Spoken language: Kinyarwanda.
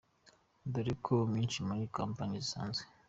Dore ko nyinshi muri kompanyi zisanzwe.